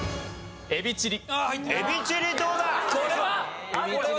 エビチリどうだ？